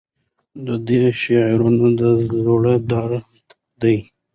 د ده شعرونه د زړه درد دی.